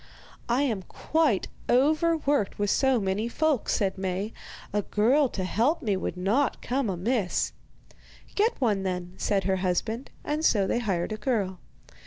'I am quite overworked with so many folk,' said Maie; 'a girl to help me would not come amiss.' 'Get one, then,' said her husband; and so they hired a girl.